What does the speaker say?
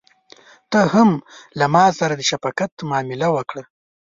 ته هم له ماسره د شفقت معامله وکړه.